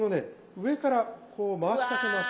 上からこう回しかけます。